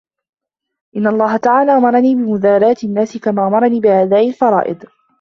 إنَّ اللَّهَ تَعَالَى أَمَرَنِي بِمُدَارَاةِ النَّاسِ كَمَا أَمَرَنِي بِأَدَاءِ الْفَرَائِضِ